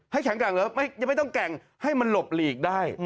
แข็งแกร่งเหรอยังไม่ต้องแก่งให้มันหลบหลีกได้